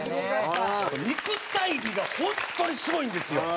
肉体美が本当にすごいんですよ！